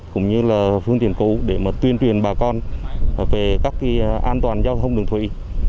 cũng như là phương tiện cũ để mà tuyên truyền bà con về các an toàn giao thông đường thủy